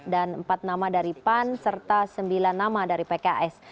dan empat nama dari pan serta sembilan nama dari pks